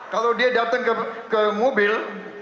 kalau dia datang ke mobil